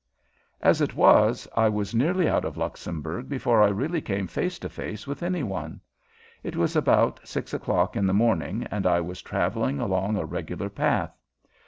As it was, I was nearly out of Luxembourg before I really came face to face with any one. It was about six o'clock in the morning and I was traveling along a regular path.